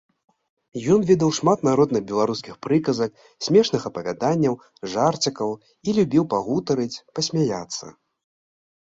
Ён ведаў шмат народных беларускіх прыказак, смешных апавяданняў, жарцікаў і любіў пагутарыць, пасмяяцца.